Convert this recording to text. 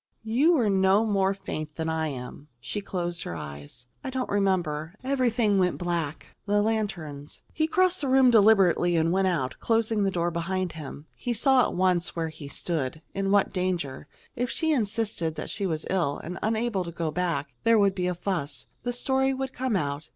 "You were no more faint than I am." She closed her eyes. "I don't remember. Everything went black. The lanterns " He crossed the room deliberately and went out, closing the door behind him. He saw at once where he stood in what danger. If she insisted that she was ill and unable to go back, there would be a fuss. The story would come out.